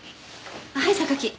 はい榊。